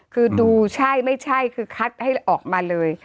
คือดูใช่ไม่ใช่คือคัดให้ออกมาเลย